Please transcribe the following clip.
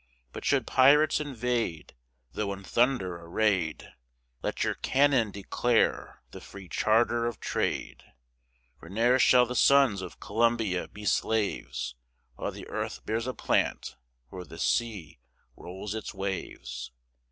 But should pirates invade, Though in thunder array'd, Let your cannon declare the free charter of trade. For ne'er shall the sons of Columbia be slaves, While the earth bears a plant, or the sea rolls its waves.